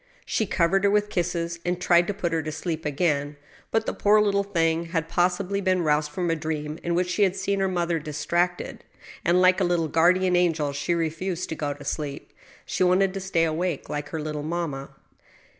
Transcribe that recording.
She covered her with kisses, and tried to put her to sleep again. , But the poor little thing had possibly been roused from a dream in which she had seen her mother distracted, and» like a little guardian angel, she refused to go to sleep. She wanted to stay awake like" her little mamma.